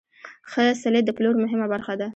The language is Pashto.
ښه سلیت د پلور مهمه برخه ده.